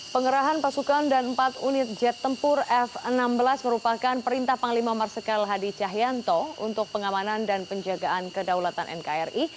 pengerahan pasukan dan empat unit jet tempur f enam belas merupakan perintah panglima marsikal hadi cahyanto untuk pengamanan dan penjagaan kedaulatan nkri